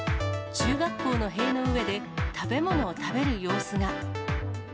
中学校の塀の上で、食べ物を食べる様子が。